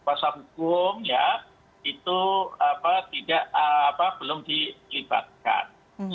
bahasa hukum ya itu apa tidak apa belum dilibatkan